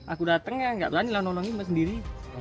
aku datang ya gak perlulah nolongin sendiri